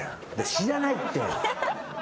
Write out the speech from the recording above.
知らないって。